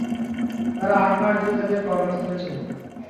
তারা আট মাস ধরে তাদের কর্মস্থলে ছিল।